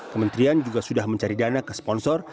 kementerian juga sudah mencari dana ke sponsor